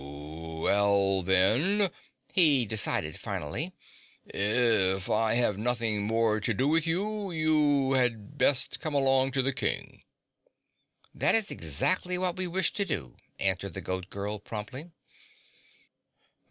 "Well, then," he decided finally, "if I have nothing more to do with you, you had best come along to the King." "That is exactly what we wish to do," answered the Goat Girl promptly.